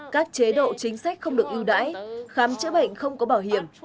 các chế độ chính sách không được ưu đãi khám chữa bệnh không có bảo hiểm